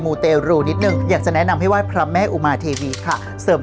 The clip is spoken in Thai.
ูเตรูนิดนึงอยากจะแนะนำให้ไหว้พระแม่อุมาเทวีค่ะเสริม